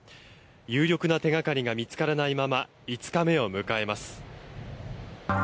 有力な手掛かりが見つからないまま５日目を迎えます。